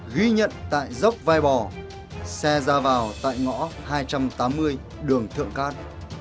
ghi nhận tại dốc vai bò xe ra vào tại ngõ hai trăm tám mươi đường thượng cát